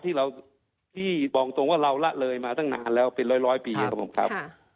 ที่บอกตรงว่าเราละเลยมาตั้งนานแล้วเป็นร้อยปีครับผมครับ